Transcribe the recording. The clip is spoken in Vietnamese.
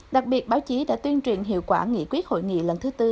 đặc biệt báo chí đã tuyên truyền hiệu quả nghị quyết hội nghị lần thứ tư